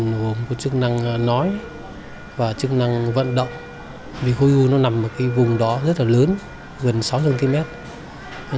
nó gồm có chức năng nói và chức năng vận động vì khối u nó nằm ở cái vùng đó rất là lớn gần sáu cm